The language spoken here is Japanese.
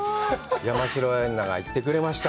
山代エンナが行ってくれました。